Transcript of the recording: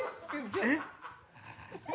えっ？